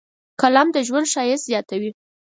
قلم د ژوند ښایست زیاتوي